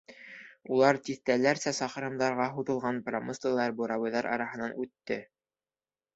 Улар тиҫтәләрсә саҡрымдарға һуҙылған промыслалар, буровойҙар араһынан үтте.